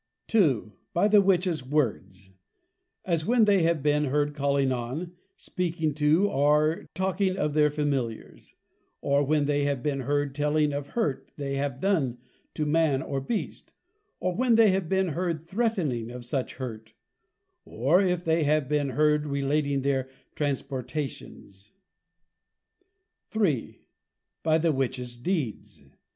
II. By the Witches Words. As when they have been heard calling on, speaking to, or Talking of their Familiars; or, when they have been heard Telling of Hurt they have done to man or beast: Or when they have been heard Threatning of such Hurt; Or if they have been heard Relating their Transportations. III. By the Witches Deeds.